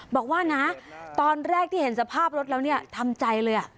บอกว่านะตอนแรกที่เห็นสภาพรถแล้วเนี่ยทำใจเลย